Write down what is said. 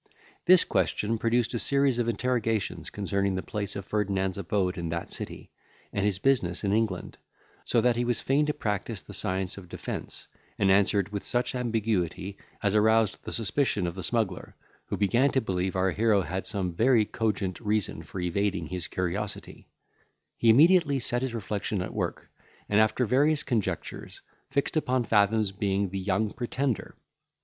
This question produced a series of interrogations concerning the place of Ferdinand's abode in that city, and his business in England, so that he was fain to practise the science of defence, and answered with such ambiguity, as aroused the suspicion of the smuggler, who began to believe our hero had some very cogent reason for evading his curiosity; he immediately set his reflection at work, and, after various conjectures, fixed upon Fathom's being the Young Pretender.